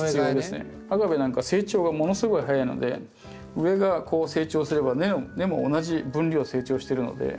アガベなんかは成長がものすごい早いので上が成長すれば根も同じ分量成長してるので。